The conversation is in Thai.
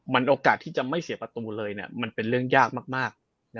โอกาสที่จะไม่เสียประตูเลยมันเป็นเรื่องยากมาก